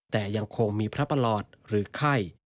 แต่ยังคงมีพระประหลอดหรือไข้